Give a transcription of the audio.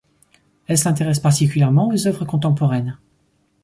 Elle s'intéresse particulièrement aux œuvres contemporaines.